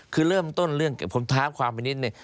คือเริ่มต้นเรื่องผมท้าความไปนิดนึง